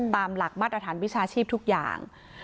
ตามหลักมาตรฐานวิชาชีพทุกอย่าง